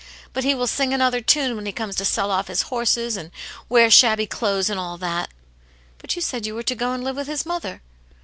But he will sing another tune when he comes to sell off his horses, and wear shabby clothes, and all that." " But you said you were to go and live with his mother."